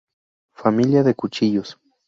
Familia de Cuchillos.